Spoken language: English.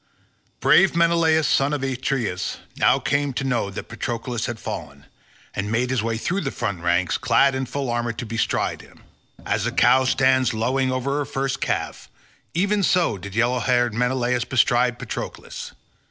Brave Menelaus son of Atreus now came to know that Patroclus had fallen, and made his way through the front ranks clad in full armour to bestride him. As a cow stands lowing over her first calf, even so did yellow haired Menelaus bestride Patroclus.